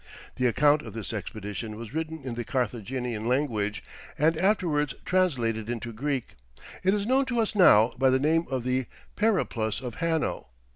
The account of this expedition was written in the Carthaginian language and afterwards translated into Greek. It is known to us now by the name of the "Periplus of Hanno."